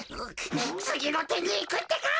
つぎのてにいくってか！